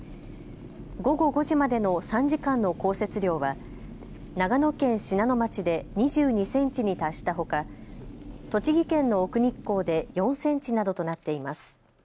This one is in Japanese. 午後５時までの３時間の降雪量は長野県信濃町で２２センチに達したほか栃木県の奥日光で４センチなどとなっています。